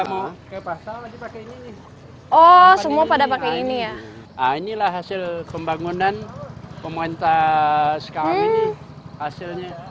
oh semua pada pakai ini ya inilah hasil pembangunan komunitas sekarang ini hasilnya